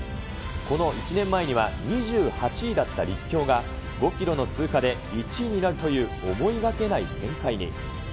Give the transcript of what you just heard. この１年前には２８位だった立教が、５キロの通過で１位になるという、思いがけない展開に。